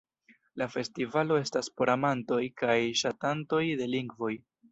La festivalo estas por amantoj kaj ŝatantoj de lingvoj.